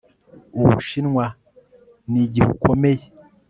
Ubushinwa nigihukomeye